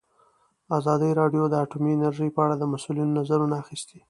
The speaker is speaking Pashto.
ازادي راډیو د اټومي انرژي په اړه د مسؤلینو نظرونه اخیستي.